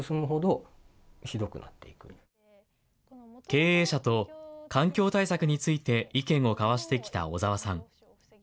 経営者と環境対策について意見を交わしてきた小澤さん。